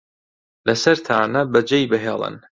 لەسەرتانە بەجێی بهێڵن